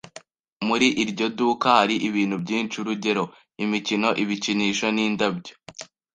Muri iryo duka hari ibintu byinshi, urugero, imikino, ibikinisho, nindabyo